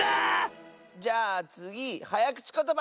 じゃあつぎはやくちことば！